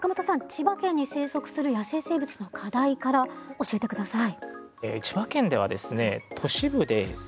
千葉県に生息する野生生物の課題から教えてください。